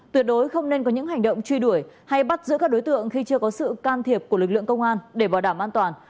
tuyệt đối không nên có những hành động truy đuổi hay bắt giữ các đối tượng khi chưa có sự can thiệp của lực lượng công an để bảo đảm an toàn